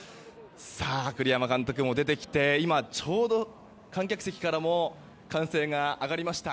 栗山監督も出てきて今、ちょうど観客席からも歓声が上がりました。